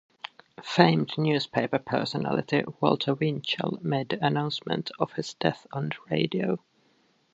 Famed newspaper personality Walter Winchell made the announcement of his death on the radio.